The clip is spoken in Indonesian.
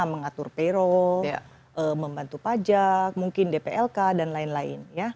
mengatur peru membantu pajak mungkin dplk dan lain lain